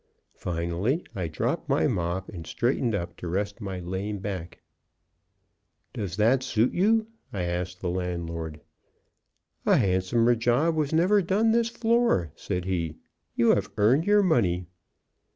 Finally, I dropped my mop and straightened up to rest my lame back. "Does that suit you?" I asked the landlord. "A handsomer job was never done this floor," said he; "you have earned your money."